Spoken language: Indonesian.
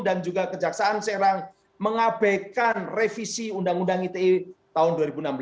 dan juga kejaksaan serang mengabekan revisi undang undang ite tahun dua ribu enam belas